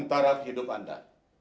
taraf hidup anda